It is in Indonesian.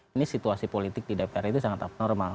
ini situasi politik di dpr itu sangat abnormal